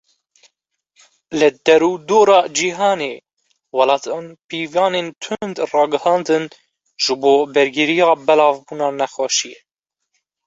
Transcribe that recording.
Li derûdora cîhanê, welatan pîvanên tund ragihandin ji bo bergiriya belavbûna nexweşiyê.